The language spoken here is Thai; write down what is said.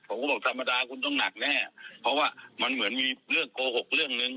ผมก็บอกธรรมดาคุณต้องหนักแน่เพราะว่ามันเหมือนมีเรื่องโกหกเรื่องนึง